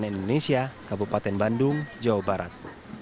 cnn indonesia kabupaten bandung jawa barat